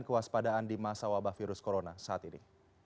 kewaspadaan di masa wabah virus corona saat ini